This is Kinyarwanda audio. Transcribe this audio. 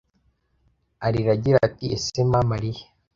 arira agira ati ese mama ari he